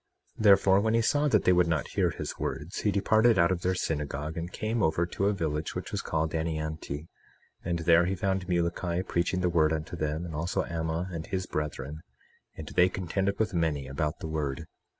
21:11 Therefore, when he saw that they would not hear his words, he departed out of their synagogue, and came over to a village which was called Ani Anti, and there he found Muloki preaching the word unto them; and also Ammah and his brethren. And they contended with many about the word.